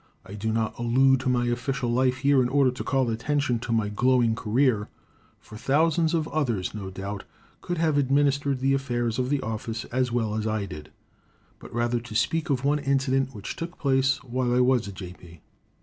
I do not allude to my official life here in order to call attention to my glowing career, for thousands of others, no doubt, could have administered the affairs of the office as well as I did, but rather to speak of one incident which took place while I was a J.P.